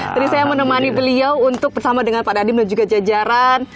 jadi saya menemani beliau untuk bersama dengan pak dadim dan juga jajaran